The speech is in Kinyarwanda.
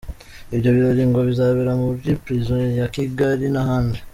Ibyo birori ngo bizabera muri prison ya Kigali n’ahandi.